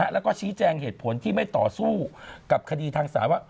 แล้วก็ชี้แจงเหตุผลที่ไม่ต่อสู้กับคดีทางศาลว่า